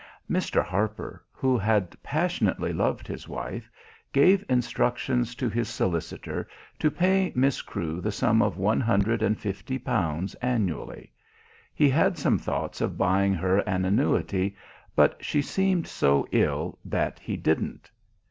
Mr. Harper, who had passionately loved his wife, gave instructions to his solicitor to pay Miss Crewe the sum of one hundred and fifty pounds annually. He had some thoughts of buying her an annuity, but she seemed so ill that he didn't.